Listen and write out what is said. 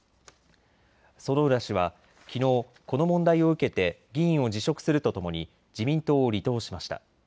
薗浦氏はきのうこの問題を受けて議員を辞職するとともに自民党を離党しました。